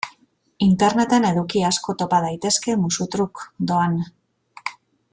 Interneten eduki asko topa daitezke musu-truk, doan.